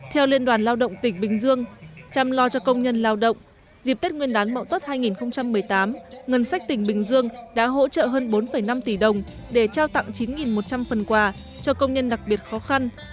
theo liên đoàn lao động tỉnh bình dương chăm lo cho công nhân lao động dịp tết nguyên đán mậu tuất hai nghìn một mươi tám ngân sách tỉnh bình dương đã hỗ trợ hơn bốn năm tỷ đồng để trao tặng chín một trăm linh phần quà cho công nhân đặc biệt khó khăn